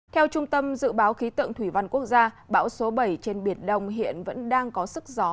theo trung tâm dự báo khí tượng thủy văn quốc gia bão số bảy trên biển đông hiện vẫn đang có sức gió